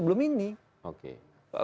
setelah dollar ini makin ngos ngosan dia